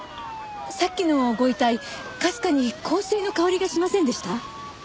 さっきのご遺体かすかに香水の香りがしませんでした？